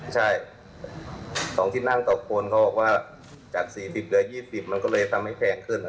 ใช่ฟิวส่วนที่นั่งต่อคนเขาก็บอกว่าจาก๔๐เดียว๒๐เลยทำให้แพงขึ้น